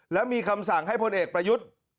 แล้วมีคำสั่งให้พลเอกประยุทธ์